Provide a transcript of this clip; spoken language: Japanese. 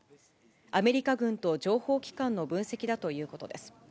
アメリカ軍と情報機関の分析だということです。